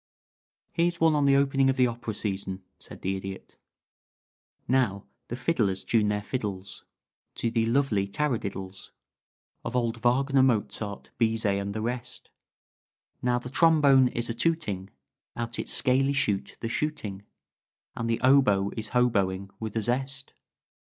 "Here's one on the opening of the opera season," said the Idiot: "Now the fiddlers tune their fiddles To the lovely taradiddles Of old Wagner, Mozart, Bizet, and the rest. Now the trombone is a tooting Out its scaley shute the chuteing And the oboe is hoboing with a zest.